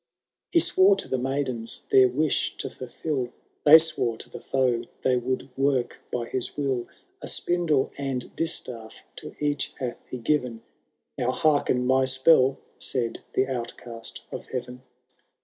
He swore to the maidens their wish to fulfil— They swore to the foe they would work by his will. A spindle and distaff to each hath he given, ^ Now hearken my spell, said the Outcast of heaven.